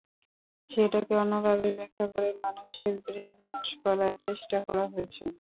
সেটাকে অন্যভাবে ব্যাখ্যা করে মানুষের ব্রেন ওয়াশ করার চেষ্টা করা হয়েছে।